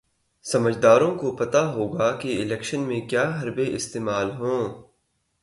سمجھداروں کو تو پتا ہوگا کہ الیکشن میں کیا حربے استعمال ہوں۔